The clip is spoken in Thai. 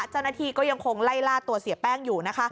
เจ้าหน้าที่ก็ยังคงไล่ล่าตัวเสียแป้งอยู่นะคะ